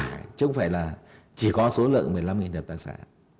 chứ không phải là chỉ có số lượng một mươi năm hợp tác xã